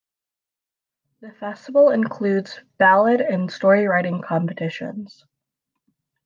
The festival includes ballad and story writing competitions.